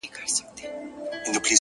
• چي د ښار خلک به ستړي په دعا کړم,